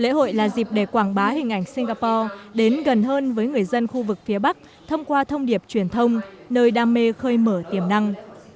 lễ hội là dịp để quảng bá hình ảnh singapore đến gần hơn với người dân khu vực phía bắc thông qua thông điệp truyền thông nơi đam mê khơi mở tiềm năng